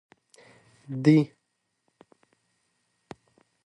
دي